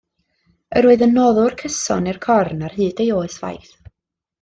Yr oedd yn noddwr cyson i'r Corn ar hyd ei oes faith.